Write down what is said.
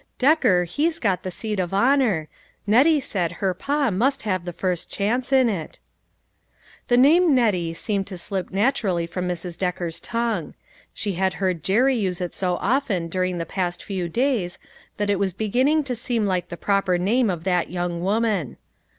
Decker, he's got the seat of honor ; Nettie said her pa must have the first chance in it." PLEASURE AND DISAPPOINTMENT. 185 The name "Nettie" seemed to slip naturally from Mrs. Decker's tongue; she had heard Jerry use it so often during the past few days, that it was beginning to seem like the proper name of that young woman.